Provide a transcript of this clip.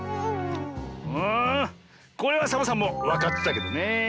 んこれはサボさんもわかってたけどねえ。